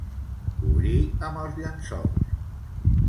Cobrir amb els llençols.